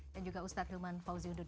dan juga ustadz hilman fauziud